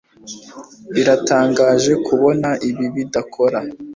Biratangaje kubona ibi bidakora